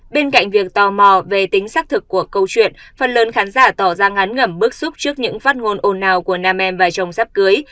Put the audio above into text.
bên cạnh việc tò mò về tính xác thực của câu chuyện phần lớn khán giả tỏ ra ngán ngẩm bức xúc trước những phát ngôn ồn ào của nam em và chồng giáp cưới